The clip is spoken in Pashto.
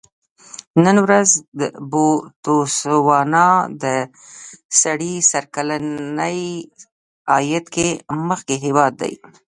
نن ورځ بوتسوانا د سړي سر کلني عاید کې مخکې هېواد دی.